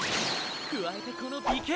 加えてこの美形。